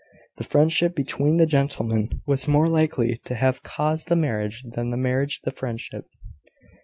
The friendship between the gentlemen was more likely to have caused the marriage than the marriage the friendship."